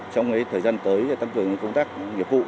trong thời gian tới tăng cường công tác nghiệp vụ